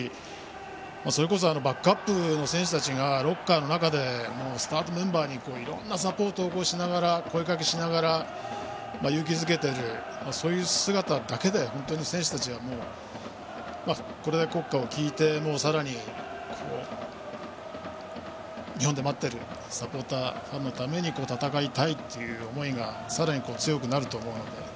バックアップの選手たちがロッカーの中でスタートメンバーにいろいろなサポートをしながら声かけしながら勇気づけているそういう姿だけで、選手たちはこれで国歌を聴いてさらに日本で待っているサポーター、ファンのために戦いたいという思いがさらに強くなると思うので。